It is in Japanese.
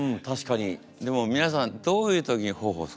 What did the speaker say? でも皆さんどういう時に頬をそめますか？